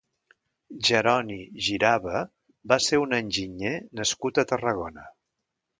Jeroni Girava va ser un enginyer nascut a Tarragona.